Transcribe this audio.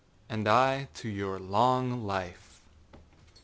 â âAnd I to your long life.